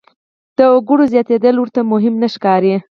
د وګړو زیاتېدل ورته مهم نه ښکاري.